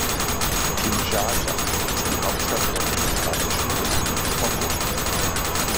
Kinshasa ist die Hauptstadt der Demokratischen Republik Kongo.